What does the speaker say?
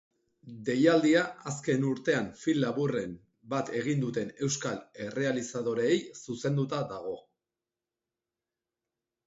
Deialdia azken urtean film laburren bat egin duten euskal errealizadoreei zuzenduta dago.